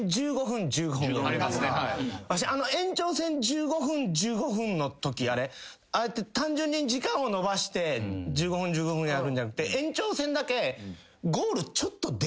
わしあの延長戦１５分・１５分のときああやって単純に時間を延ばして１５分・１５分やるんじゃなくて。